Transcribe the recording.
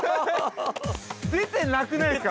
◆出てなくないですか。